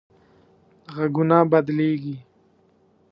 غږونه بدلېږي